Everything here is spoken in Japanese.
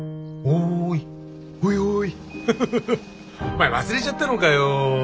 お前忘れちゃったのかよ？